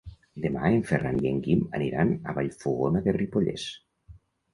Demà en Ferran i en Guim aniran a Vallfogona de Ripollès.